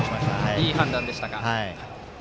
いい判断でしたね。